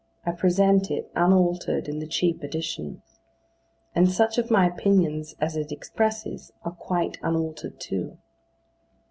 I present it, unaltered, in the Cheap Edition; and such of my opinions as it expresses, are quite unaltered too.